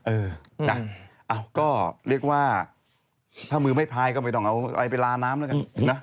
เออนะก็เรียกว่าถ้ามือไม่พายก็ไม่ต้องเอาอะไรไปลาน้ำแล้วกันนะ